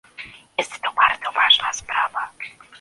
Jest to bardzo ważna sprawa